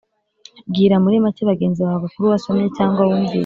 bwira muri make bagenzi bawe agakuru wasomye cyangwa wumvise.